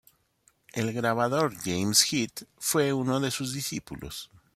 El grabador James Heath fue uno de sus discípulos.